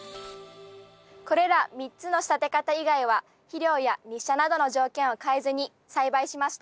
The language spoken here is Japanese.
これら３つの仕立て方以外は肥料や日射などの条件を変えずに栽培しました。